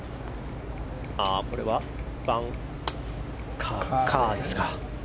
これはバンカーですか。